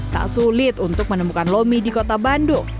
tak sulit untuk menemukan lomi di kota bandung